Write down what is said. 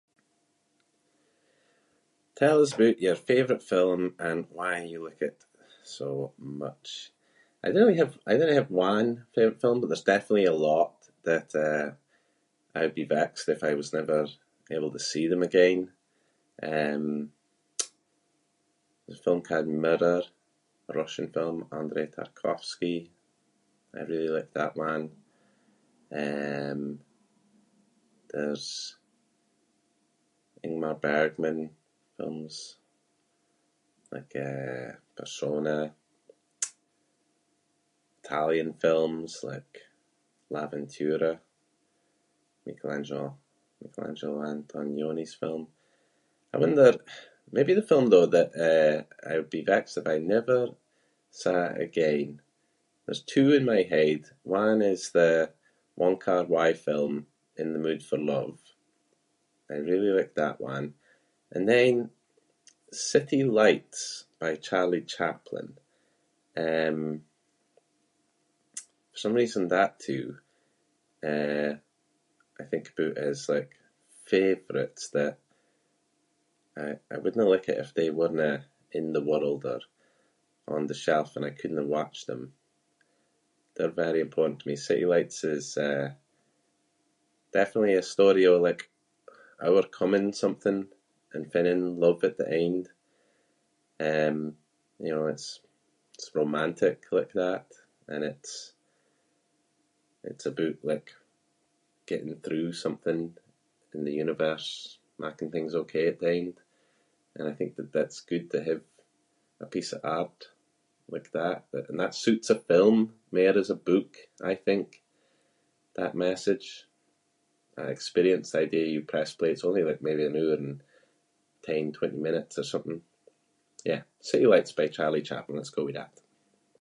Tell us aboot your favourite film and why you like it so much. I dinna really have- I dinna have one favourite film but there’s definitely a lot that, eh, I would be vexed if I was never be able to see them again. Um, there’s a film ca’d Mirror, a Russian film- Andrei Tarkovsky. I really like that one. Um, there’s Ingmar Bergman films like, eh, Persona. Italian films like L’Avventura, Michelangelo- Michelangelo Antonioni’s film. I wonder- maybe the film though that, eh, I would be vexed if I never saw again- there’s two in my head. One is the Wong Kar-wai film In The Mood For Love. I really like that one. And then City Lights by Charlie Chaplin. Um, for some reason that two, eh, I think aboot as like favourites that I- I wouldnae like it if they werenae in the world or on the shelf and I couldnae watch them. They’re very important to me. City Lights is, eh, definitely a story of like overcoming something and finding love at the end. Um, you know it’s- it’s romantic like that and it’s- it’s aboot like getting through something and the universe making things OK at the end. And I think that that’s good to have a piece of art like that that- and that suits a film mair as a book I think, that message. Aye, experience an idea if you press play- it’s only like maybe an hour and ten/twenty minutes or something. Yeah, City Lights with Charlie Chaplin, let’s go with that.